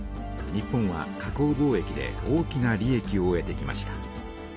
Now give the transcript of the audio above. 日本は加工貿易で大きな利えきを得てきました。